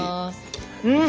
うん！